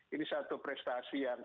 ini satu prestasi yang sangat penting